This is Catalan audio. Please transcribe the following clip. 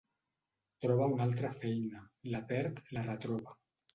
Troba una altra feina, la perd, la retroba.